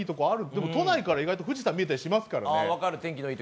でも、都内から意外と富士山見えたりしますからね。